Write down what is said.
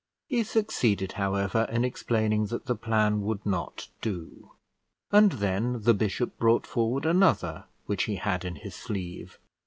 He succeeded, however, in explaining that the plan would not do, and then the bishop brought forward another which he had in his sleeve.